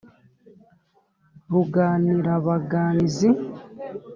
Ruganirabaganizi